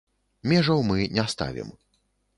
Межаў мы не ставім.